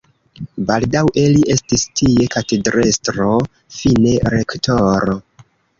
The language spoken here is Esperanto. Baldaŭe li estis tie katedrestro, fine rektoro.